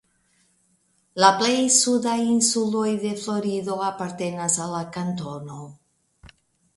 La plej sudaj insuloj de Florido apartenas al la kantono.